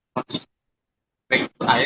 maksudnya baik itu air